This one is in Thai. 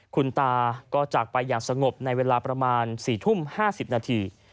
คุณตาก็จากไปอย่างสงบในเวลาประมาณ๔ทุ่ม๕๐นาที